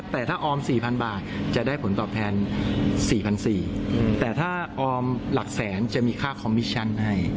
แต่ถ้าออม๔๐๐๐บาทจะได้ผลตอบแทน๔๔๐๐แต่ถ้าออมหลักแสนจะมีค่าคอมมิชชั่นให้